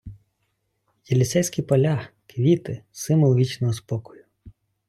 Єлісейські поля, квіти — символ вічного спокою